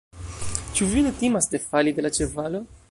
Ĉu vi ne timas defali de la ĉevalo?